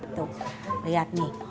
tuh lihat nih